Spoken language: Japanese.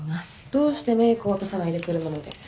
どうしてメークを落とさないで車まで？